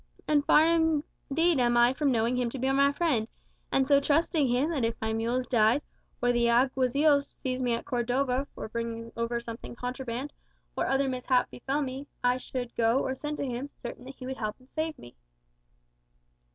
And far indeed am I from knowing him to be my friend; and so trusting him that if my mules died, or the Alguazils seized me at Cordova for bringing over something contraband, or other mishap befell me, I should go or send to him, certain that he would help and save me."